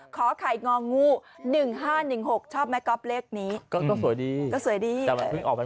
ขอไข่งองงู๑๕๑๖ชอบไหมก๊อบเลขนี้ก็สวยดีก็สวยดีแต่มัน